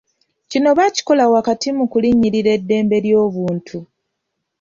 Kino baakikola wakati mu kulinnyirira eddembe ly'obuntu.